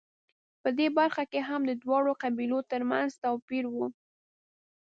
په دې برخه کې هم د دواړو قبیلو ترمنځ توپیر و